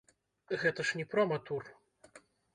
Гэта ж не прома-тур.